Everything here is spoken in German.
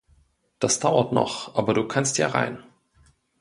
Das dauert noch, aber Du kannst ja rein.